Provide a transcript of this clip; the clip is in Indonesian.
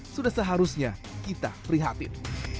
sudah seharusnya kita prihatin